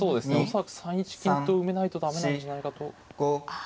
恐らく３一金と埋めないと駄目なんじゃないかと。